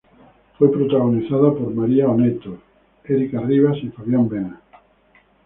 Fue protagonizada por María Onetto, Érica Rivas, y Fabián Vena.